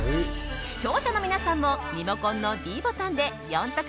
視聴者の皆さんもリモコンのｄボタンで４択